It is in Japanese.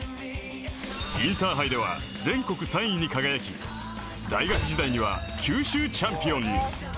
インターハイでは全国３位に輝き大学時代には九州チャンピオンに。